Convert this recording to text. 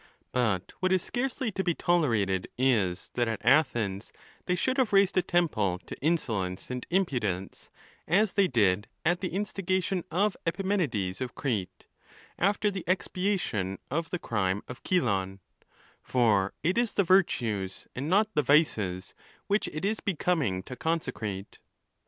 But what is scarcely to be tolerated is, that at Athens they should have raised a temple to Insolence and Impudence, as they did at the instigation of Epimenides of Crete, after the expiation of the crime of Cylon, For it is the Virtues, and not the Vices, which it is becoming to consecrate.